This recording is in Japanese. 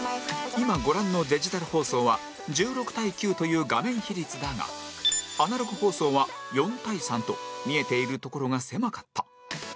今ご覧のデジタル放送は１６対９という画面比率だがアナログ放送は４対３と見えている所が狭かった